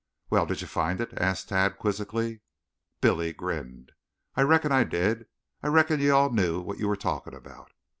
"Well, did you find it?" asked Tad quizzically. Billy grinned. "I reckon I did. I reckon you all knew what you were talking about."